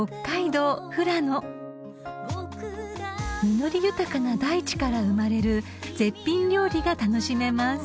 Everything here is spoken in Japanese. ［実り豊かな大地から生まれる絶品料理が楽しめます］